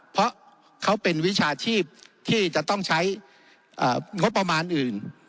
เพราะเขาเป็นวิชาชีพที่จะต้องใช้งบประมาณอื่น